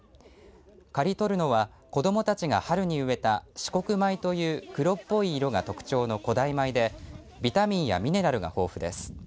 刈り取るのは子どもたちが春に植えた紫黒米という黒っぽい色が特徴の古代米でビタミンやミネラルが豊富です。